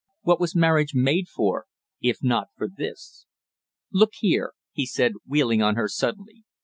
What was marriage made for, if not for this? "Look here," he said, wheeling on her suddenly.